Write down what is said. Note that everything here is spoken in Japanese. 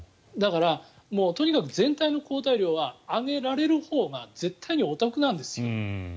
だから、とにかく全体の抗体量は上げられるほうが絶対にお得なんですよ。